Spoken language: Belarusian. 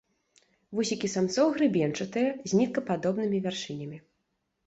Вусікі самцоў грабеньчатыя, з ніткападобнымі вяршынямі.